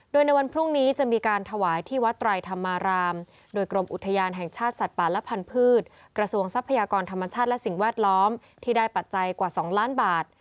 โดยในวันพรุ่งนี้จะมีการถวายที่วัดไตรธรรมารามโดยกรมอุทยานแห่งชาติสัตว์ป่าและพันธุ์กระทรวงทรัพยากรธรรมชาติและสิ่งแวดล้อมที่ได้ปัจจัยกว่า๒ล้านบาท